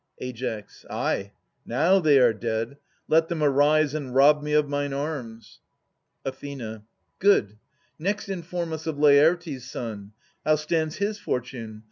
Ai. Ay, now they are dead. Let them arise and rob me of mine arms ! Ath. Good. Next inform us of Laertes' son ; How stands his fortune